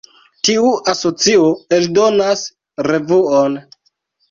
Tiu asocio eldonas revuon.